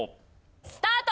スタート！